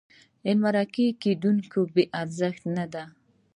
مرکه کېدونکی بې ارزښته نه دی.